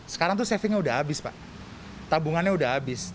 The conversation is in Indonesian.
sekarang tuh savingnya sudah habis pak tabungannya sudah habis